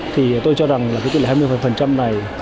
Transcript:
thì tôi cho rằng là cái tỷ lệ hai mươi này